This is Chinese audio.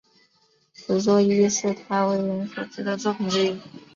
此作亦是他为人所知的作品之一。